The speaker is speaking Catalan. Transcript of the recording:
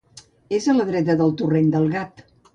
És a la dreta del torrent del Gat.